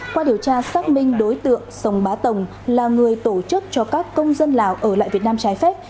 qua điều tra xác minh đối tượng sông bá tồng là người tổ chức cho các công dân lào ở lại việt nam trái phép